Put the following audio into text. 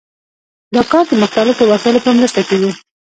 دا کار د مختلفو وسایلو په مرسته کیږي.